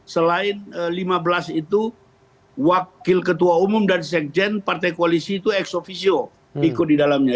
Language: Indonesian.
selain lima belas itu wakil ketua umum dan sekjen partai koalisi itu ex officio ikut di dalamnya